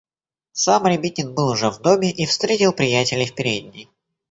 Сам Рябинин был уже в доме и встретил приятелей в передней.